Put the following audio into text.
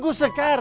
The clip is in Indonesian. aku mau ke kantor